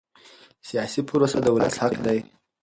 سیاسي پروسه د ولس حق دی